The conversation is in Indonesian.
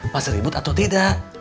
masih ribut atau tidak